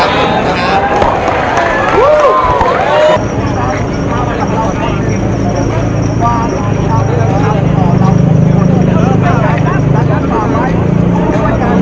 และก็การที่จะใช้จากนี้จะใช้ตามอะไร